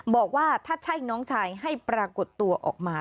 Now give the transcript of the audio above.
บอกว่าถ้าใช่น้องชายให้ปรากฏตัวออกมา